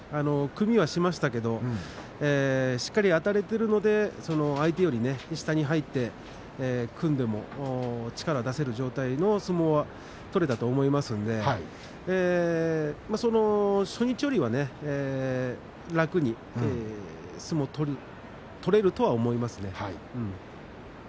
組みはしましたけどしっかりあたれているので相手より下に入って組んでも力を出せる状態の相撲は取れたと思いますので初日よりは楽に相撲を取れるとは思いますね。